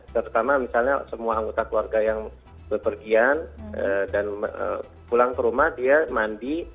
terutama misalnya semua anggota keluarga yang berpergian dan pulang ke rumah dia mandi